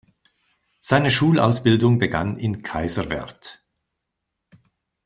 Seine Schulausbildung begann in Kaiserswerth.